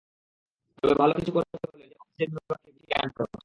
তবে ভালো কিছু করতে হলে নিজের অফিসের বিভাগকে গুছিয়ে আনতে হবে।